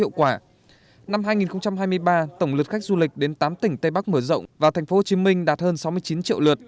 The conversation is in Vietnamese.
năm hai nghìn hai mươi ba tổng lượt khách du lịch đến tám tỉnh tây bắc mở rộng và tp hcm đạt hơn sáu mươi chín triệu lượt